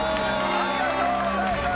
ありがとうございます！